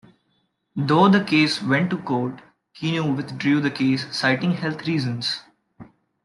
Though the case went to court, Kenu withdrew the case citing health reasons.